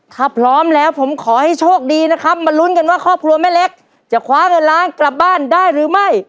ถ้าพร้อมแล้วผมขอให้โชคดีนะครับมาลุ้นกันว่าครอบครัวแม่เล็กจะคว้าเงินล้านกลับบ้านได้หรือไม่